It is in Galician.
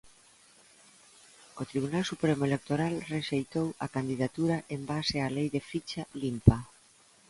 O Tribunal Supremo Electoral rexeitou a candidatura en base á Lei de Ficha Limpa.